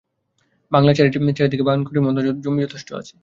বাংলাটির চারি দিকে বাগান করিবার মতো জমি যথেষ্ট আছে।